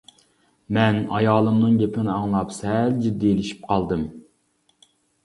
مەن ئايالىمنىڭ گېپىنى ئاڭلاپ سەل جىددىيلىشىپ قالدىم.